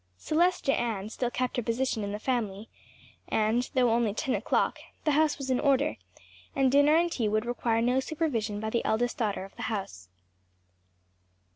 Celestia Ann still kept her position in the family, and though only ten o'clock, the house was in order, and dinner and tea would require no supervision by the eldest daughter of the house.